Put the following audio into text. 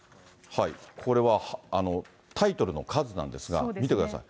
これはタイトルの数なんですが、見てください。